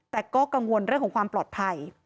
แต่ก็กังวลเรื่องของความปลอดภัย